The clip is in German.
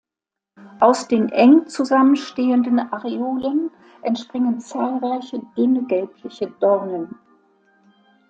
Aus den eng zusammenstehenden Areolen entspringen zahlreiche, dünne, gelbliche Dornen.